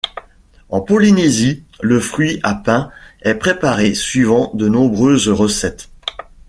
En Polynésie, le fruit à pain est préparé suivant de nombreuses recettes.